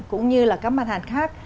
cũng như là các mặt hàng khác